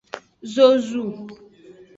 Zozu.